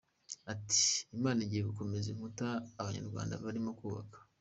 Ati “Imana igiye gukomeza inkuta Abanyarwanda barimo kubaka.